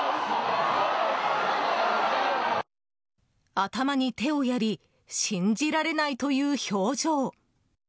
頭に手をやり信じられないという表情。